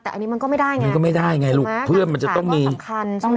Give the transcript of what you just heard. แต่อันนี้มันก็ไม่ได้ไงครับเหรอคะครับที่ไหนครับจะต้องมีครับใช่ไหมคะ